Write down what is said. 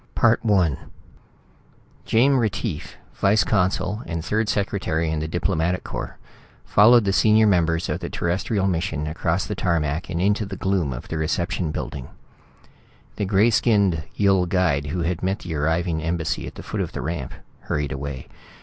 I Jame Retief, vice consul and third secretary in the Diplomatic Corps, followed the senior members of the terrestrial mission across the tarmac and into the gloom of the reception building. The gray skinned Yill guide who had met the arriving embassy at the foot of the ramp hurried away.